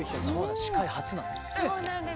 司会初なんです。